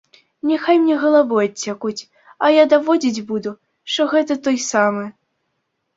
Няхай мне галаву адсякуць, а я даводзіць буду, што гэта той самы.